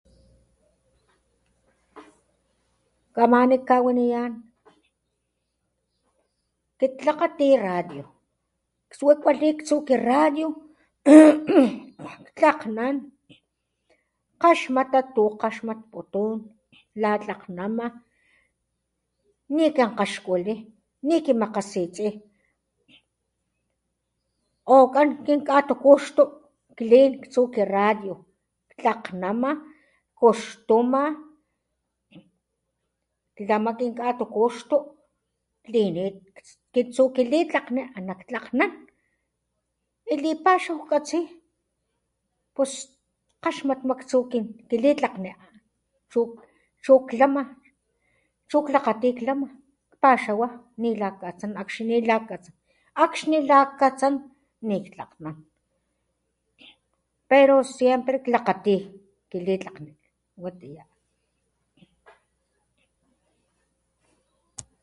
Kamani kawaniyán kit klakgati radio tsu kwali ktsu ki radio ktlakgnan jkgaxmata tujkgaxmatputun la tlakgnama nikinkgaxkuli nikimakgasitsi o kan kin katukuxtu klin ktsu ki radio tlakgnama jkuxtuma klama kinkatukuxtu klinit kit tsu kilitlakgni ana ktlakgnan lipaxaw jkatsi pus kgaxmatma tsu kilitlakgni chu chukklama chu klakgati klama kpaxawa nila jkatsan akxni nilaj katsan, akxni lajkatsan nik ktlakgnan pero siempre klakgati kilitlakgni. Watiya.